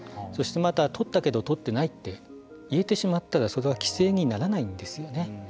そしてまた、とったけどとってないって言えてしまったらそれは規制にならないんですよね。